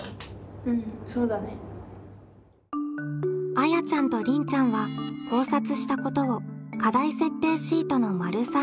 あやちゃんとりんちゃんは考察したことを課題設定シートの③にまとめました。